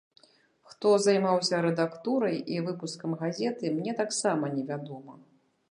Хто займаўся рэдактурай і выпускам газеты, мне таксама невядома.